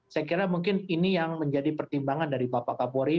saya kira mungkin ini yang menjadi pertimbangan dari bapak kapolri